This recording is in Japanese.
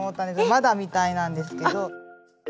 まだみたいなんですけど。